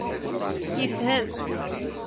Yefhem.